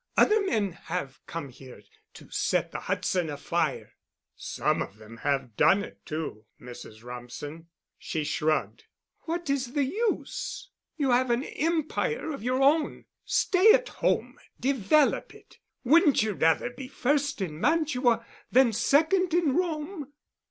Other men have come here to set the Hudson afire——" "Some of them have done it, too, Mrs. Rumsen." She shrugged. "What is the use? You have an empire of your own. Stay at home, develop it. Wouldn't you rather be first in Mantua than second in Rome?"